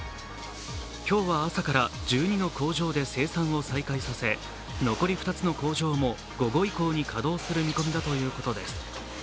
今日は朝から１２の工場で生産を再開させ残り２つの工場も午後以降に稼働する見込みだということです。